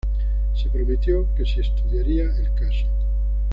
Se prometió que se estudiaría el caso.